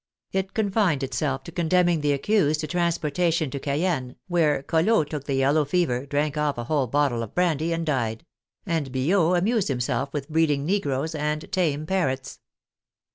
It confined itself to condemn ing the accused to transportation to Cayenne, where Col lot took the yellow fever, drank off a whole bottle of brandy and died ; and Billaud amused himself with breeding negroes and tame parrots.